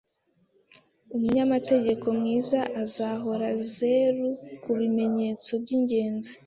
Umunyamategeko mwiza azahora zeru kubimenyetso byingenzi.